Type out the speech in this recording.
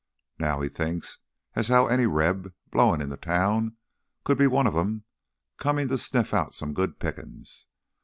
Now he thinks as how any Reb blowin' in town could be one of 'em, comin' to sniff out some good pickin's.